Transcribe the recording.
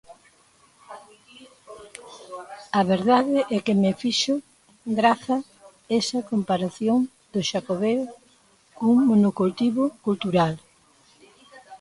A verdade é que me fixo graza esa comparación do Xacobeo cun monocultivo cultural.